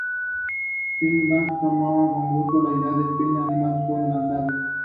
Le dejó la novia y tenía una depre de caballo